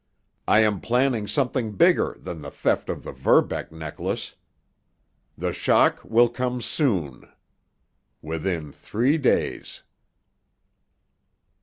I am planning something bigger than the theft of the Verbeck necklace. The shock will come soon—— Within three days!